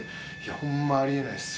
ホンマあり得ないです